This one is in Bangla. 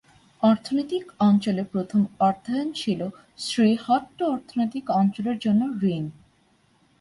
অর্থনৈতিক অঞ্চলে প্রথম অর্থায়ন ছিল শ্রীহট্ট অর্থনৈতিক অঞ্চলের জন্য ঋণ।